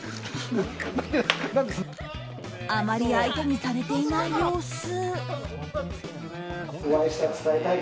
あまり相手にされていない様子。